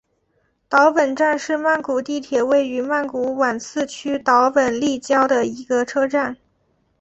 岛本站是曼谷地铁位于曼谷挽赐区岛本立交的一个车站。